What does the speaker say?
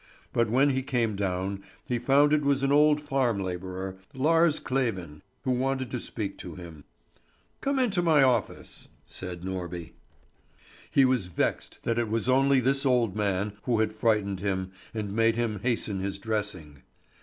But when he came down he found it was an old farm labourer, Lars Kleven, who wanted to speak to him. "Come into the office!" said Norby. He was vexed that it was only this old man who had frightened him and made him hasten his dressing.